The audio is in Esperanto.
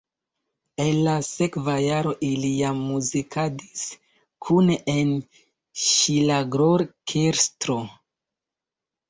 En la sekva jaro ili jam muzikadis kune en ŝlagrorkestro.